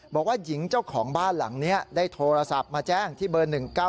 บอกว่าหญิงเจ้าของบ้านหลังนี้ได้โทรศัพท์มาแจ้งที่เบอร์๑๙๙